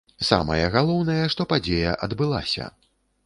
Самае галоўнае, што падзея адбылася.